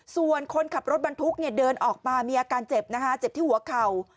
ส่วนคนขับรถบรรทุกเนี่ยเดินออกมามีอาการเจ็บนะคะเจ็บที่หัวเข่า